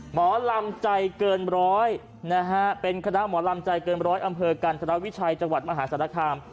หมอลำใจเกินร้อยนะฮะเป็นคณะหมอลำใจเกินร้อยอำเภอกันธรวิชัยจังหวัดมหาศาลคาม